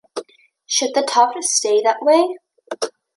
Should the tuft stay that way?